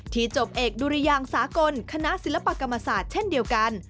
จบเอกดุริยางสากลคณะศิลปกรรมศาสตร์เช่นเดียวกัน